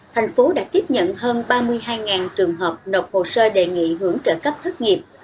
thành phố đã tiếp nhận hơn ba mươi hai trường hợp nộp hồ sơ đề nghị hưởng trợ cấp thất nghiệp